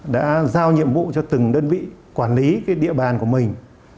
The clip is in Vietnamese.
đã giao nhiệm vụ cho từng đơn vị quản lý địa bàn của mình